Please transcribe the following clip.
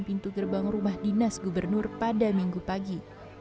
pintu gerbang rumah dinas gubernur pada minggu pagi